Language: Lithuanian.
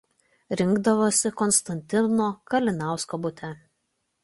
Rinkdavosi Konstantino Kalinausko bute.